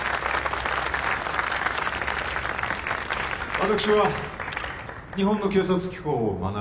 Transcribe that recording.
私は日本の警察機構を学び